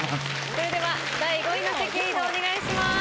それでは第５位の席へ移動お願いします。